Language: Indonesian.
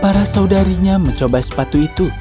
para saudarinya mencoba sepatu itu